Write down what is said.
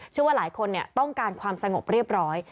ว่าหลายคนต้องการความสงบเรียบร้อย